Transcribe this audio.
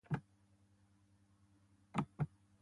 Maiatzaren bigarren hamabostaldian izango litzateke.